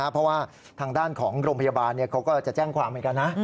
เพราะว่าทางด้านของโรงพยาบาลเขาก็จะแจ้งความเหมือนกันนะ